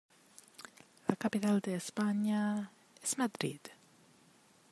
La capital de España, es Madrid.